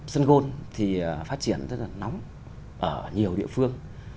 sân gôn thì phát triển rất là nóng ở nhiều địa phương